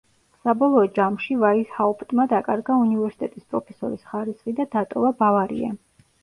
საბოლოო ჯამში, ვაისჰაუპტმა დაკარგა უნივერსიტეტის პროფესორის ხარისხი და დატოვა ბავარია.